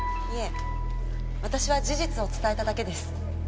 いえ私は事実を伝えただけです。